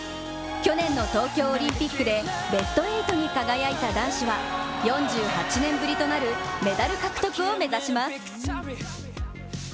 去年の東京オリンピックでベスト８に輝いた男子は４８年ぶりとなるメダル獲得を目指します。